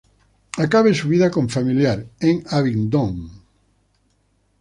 Acabe su vida con familiar, en Abingdon.